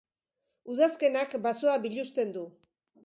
Udazkenak basoa biluzten du.